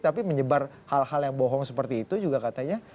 tapi menyebar hal hal yang bohong seperti itu juga katanya